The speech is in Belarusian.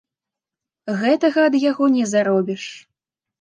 Гэтага ад яго не заробіш.